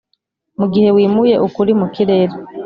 mugihe wimuye ukuri mukirere,